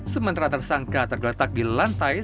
sementara tersangka tergeletak di lantai